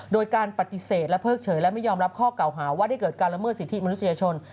โดยการปฏิเสธและเพิกเฉยและไม่ยอมรับข้อเก่าหาว่าได้เกิดการละเมิดสิทธิมนุษยชน